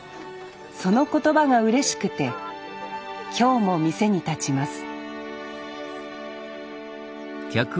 その言葉がうれしくて今日も店に立ちます